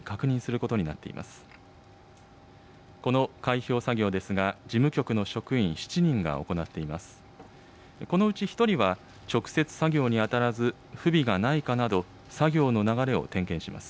このうち１人は、直接作業に当たらず、不備がないかなど、作業の流れを点検します。